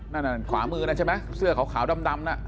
นั่นขวามือนั่นใช่ไหมเสื้อขาวดำน่ะ